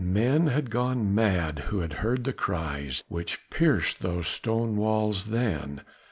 Men had gone mad who had heard the cries which pierced those stone walls then.